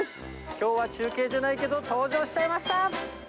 きょうは中継じゃないけど、登場しちゃいました。